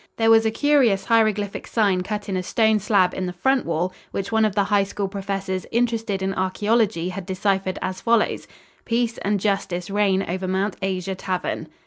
There was a curious hieroglyphic sign cut in a stone slab in the front wall which one of the High School professors interested in archæology had deciphered as follows: "Peace and Justice Reign Over Mount Asia Tavern."